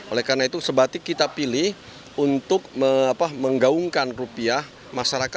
oleh karena itu sebatik kita pilih untuk menggaungkan rupiah masyarakat